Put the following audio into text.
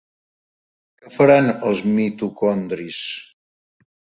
Què faran els mitocondris?